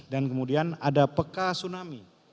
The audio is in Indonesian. dan kemudian ada peka tsunami